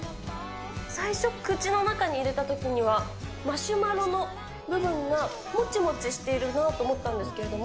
最初、口の中に入れたときには、マシュマロの部分がもちもちしているなと思ったんですけれども、